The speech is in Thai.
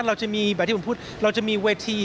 เราจะมีแบบที่ผมพูดเราจะมีเวที